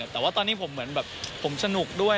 แต่ว่าตอนนี้ผมเหมือนแบบผมสนุกด้วย